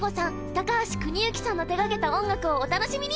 高橋邦幸さんの手がけた音楽をお楽しみに。